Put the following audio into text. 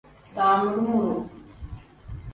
Damuru-muru.